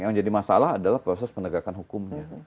yang jadi masalah adalah proses penegakan hukumnya